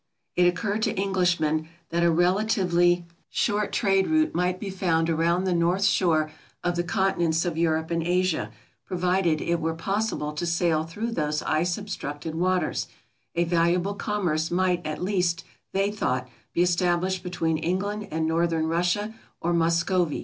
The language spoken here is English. It occurred to Englishmen that a comparatively short trade route might be found around the north shore of the continents 445 446 TRAVELERS AND EXPLORERS of Europe and Asia, provided it were possible to sail through those ice obstructed waters; a valuable commerce might at least, they thought, be established between England and north ern Russia, or Muscovy.